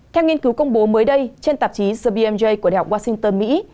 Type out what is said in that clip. theo nghiên cứu công bố mới đây trên tạp chí the bmj của đh washington mỹ